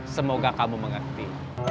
semoga kamu mengerti